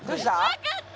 わかった！